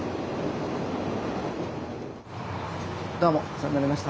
どうもお世話になりました。